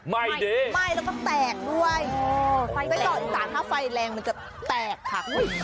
ไหม้แล้วก็แตกด้วยไส้กรอกอีสานถ้าไฟแรงมันจะแตกค่ะ